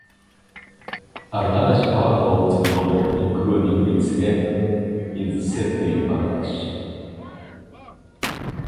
A large part of the novel, including its end, is set in Varanasi.